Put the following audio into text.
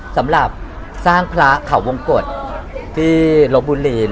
สำหรับสร้างพระเขาวงกฎที่ลบบุรี